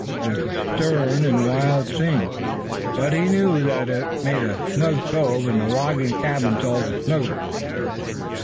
It was a stern and wild scene, but he knew that it made the snug cove and the log cabins all the snugger.